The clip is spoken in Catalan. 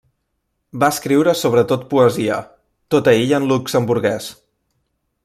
Va escriure sobretot poesia, tota ella en luxemburguès.